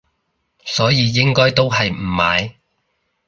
所以應該都係唔買